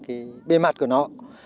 cái bề mặt của nó